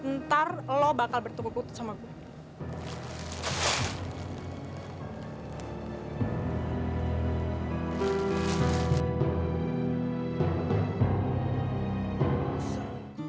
ntar lo bakal bertukuk putuk sama gue